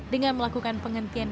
dengan melakukan penghentian